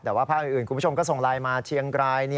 แต่ว่าภาคอื่นคุณผู้ชมก็ส่งไลน์มาเชียงราย